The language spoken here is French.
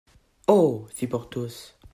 Oh ! fit Porthos.